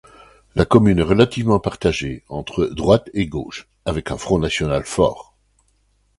La commune est relativement partagée entre droite et gauche, avec un Front national fort.